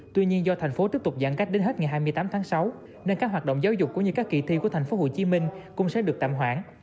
tuy nhiên do thành phố tiếp tục giãn cách đến hết ngày hai mươi tám tháng sáu nên các hoạt động giáo dục cũng như các kỳ thi của thành phố hồ chí minh cũng sẽ được tạm hoãn